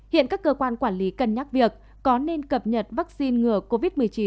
hiện các cơ quan quản lý cân nhắc việc có nên cập nhật vaccine ngừa covid một mươi chín